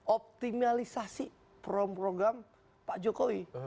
optimalisasi program pak jokowi